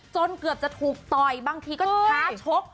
เกือบจะถูกต่อยบางทีก็ท้าชก